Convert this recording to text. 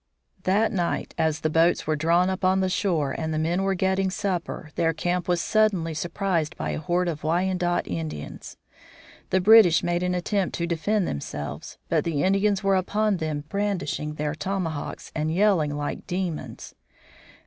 That night, as the boats were drawn up on the shore and the men were getting supper, their camp was suddenly surprised by a horde of Wyandot Indians. The British made an attempt to defend themselves. But the Indians were upon them brandishing their tomahawks and yelling like demons.